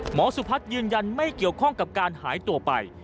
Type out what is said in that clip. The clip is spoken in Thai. สุพัฒน์ยืนยันไม่เกี่ยวข้องกับการหายตัวไป